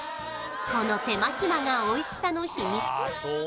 この手間暇がおいしさの秘密